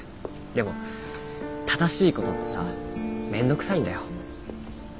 でも正しい事ってさ面倒くさいんだよ。